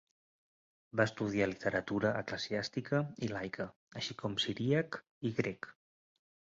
Va estudiar literatura eclesiàstica i laica, així com siríac i grec.